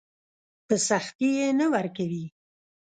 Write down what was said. په سختي يې نه ورکوي.